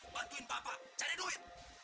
bantuin bapak cari duit